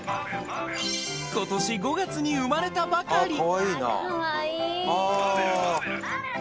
今年５月に生まれたばかり！